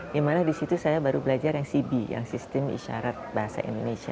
di mana saya baru belajar yang sibi yang sistem isyarat bahasa indonesia